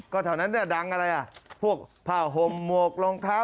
ก็แถวนั้นเนี่ยดังอะไรอ่ะพวกผ้าห่มหมวกรองเท้า